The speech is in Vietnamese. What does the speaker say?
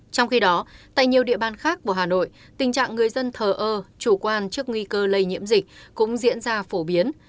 trong khi đó tại nhiều địa bàn khác của hà nội tình trạng người dân thờ ơ chủ quan trước nguy cơ lây nhiễm dịch cũng diễn ra phổ biến